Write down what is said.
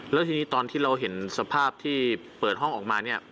แล้วทีนี้ตอนที่เราเห็นสภาพที่เปิดห้องออกมาเนี่ย